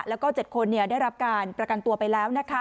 แล้วก็๗คนได้รับการประกันตัวไปแล้วนะคะ